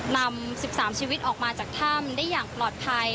นำ๑๓ชีวิตออกมาจากถ้ำได้อย่างปลอดภัย